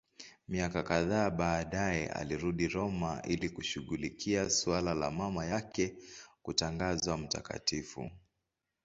Miaka kadhaa baadaye alirudi Roma ili kushughulikia suala la mama yake kutangazwa mtakatifu.